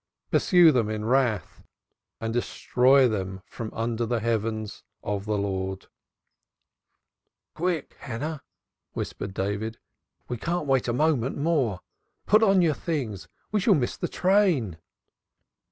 Pursue them in wrath and destroy them from under the heavens of the Lord_." "Quick, Hannah!" whispered David. "We can't wait a moment more. Put on your things. We shall miss the train."